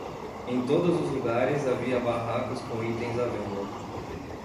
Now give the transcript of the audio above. Em todos os lugares havia barracas com itens à venda.